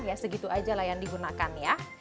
ya segitu aja lah yang digunakan ya